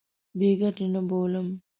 بې ګټې نه بولم.